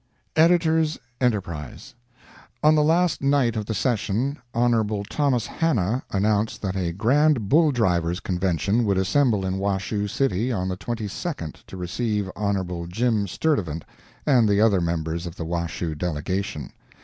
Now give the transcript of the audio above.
Eds., Enterprise: On the last night of the session, Hon. Thomas Hannah announced that a Grand Bull Drivers' Convention would assemble in Washoe City, on the 22d, to receive Hon. Jim Sturtevant and the other members of the Washoe delegation.